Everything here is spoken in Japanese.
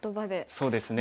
そうですね。